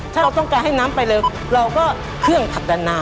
ถ้าต้องการให้น้ำไปเราก็เครื่องผัดดันน้ำ